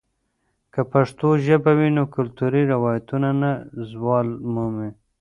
که پښتو ژبه وي، نو کلتوري روایتونه نه زوال مومي.